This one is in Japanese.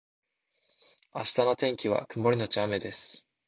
明日の天気は曇りのち雨です